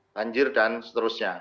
banjir dan seterusnya